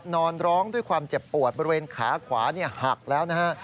นอนร้องด้วยความเจ็บปวดบริเวณขาขวาหักแล้วนะฮะ